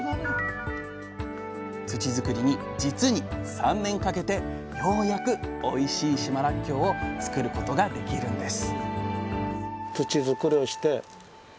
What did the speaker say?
土づくりに実に３年かけてようやくおいしい島らっきょうを作ることができるんです